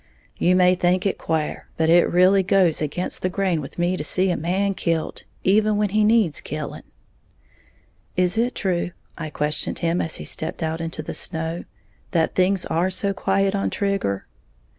You may think it quare, but it really goes again' the grain with me to see a man kilt, even when he needs killing." "Is it true," I questioned him as he stepped out into the snow, "that things are so quiet on Trigger?"